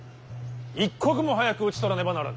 一刻も早く討ち取らねばならぬ。